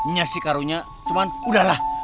iya sih karunya cuman udahlah